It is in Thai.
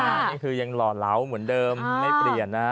นี่คือยังหล่อเหลาเหมือนเดิมไม่เปลี่ยนนะ